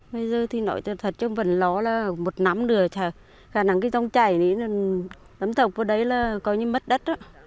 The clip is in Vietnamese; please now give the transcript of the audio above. bây giờ thì nói thật trong vần ló là một năm nữa khả năng cái dòng chảy lấm thọc vào đấy là có như mất đất